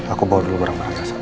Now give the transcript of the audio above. aku bawa dulu barang barang rasa